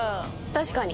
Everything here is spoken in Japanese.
確かに。